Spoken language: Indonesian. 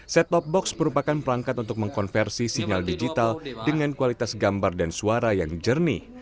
set top box merupakan perangkat untuk mengkonversi sinyal digital dengan kualitas gambar dan suara yang jernih